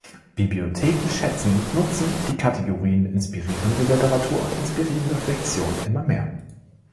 Bibliotheken schätzen und nutzen die Kategorien Inspirierende Literatur und Inspirierende Fiktion immer mehr.